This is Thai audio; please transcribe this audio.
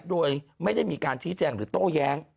โดยไม่ได้มีการชี้แจงหรือโต้แย้ง